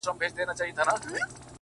کلونه کيږي چي ولاړه يې روانه نه يې;